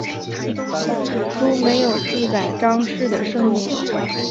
史书没有记载张氏的生年。